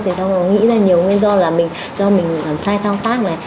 thì nó nghĩ ra nhiều nguyên do là do mình làm sai thao tác này